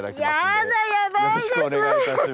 やだヤバいです！